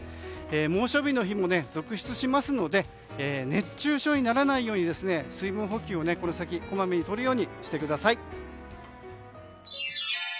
猛暑日の日も続出しますので熱中症にならないように水分補給をこの先こまめにとるようにしてください。